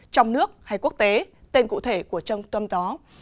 trong nước hay quốc tế tên cụ thể của trung tâm đó